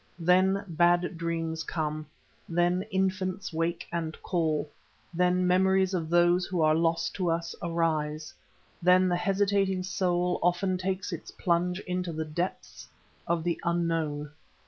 Then bad dreams come, then infants wake and call, then memories of those who are lost to us arise, then the hesitating soul often takes its plunge into the depths of the Unknown.